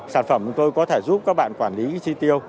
sản phẩm của tôi có thể giúp các bạn quản lý chi tiêu